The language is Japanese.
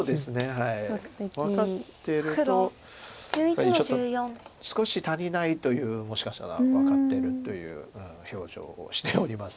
やっぱりちょっと少し足りないというもしかしたら分かってるという表情をしております。